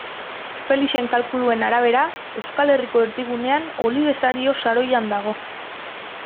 Felixen kalkuluen arabera, Euskal Herriko erdigunean Olibesario saroian dago.